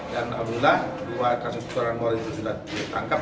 dan alhamdulillah dua kasus curanmor itu sudah ditangkap